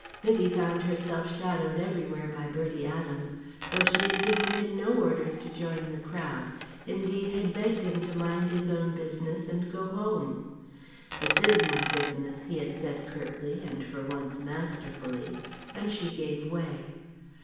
Vivie found herself shadowed everywhere by Bertie Adams though she had given him no orders to join the crowd, indeed had begged him to mind his own business and go home. "This is my business," he had said curtly, and for once masterfully, and she gave way.